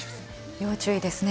要注意ですね。